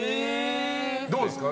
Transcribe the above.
どうですか？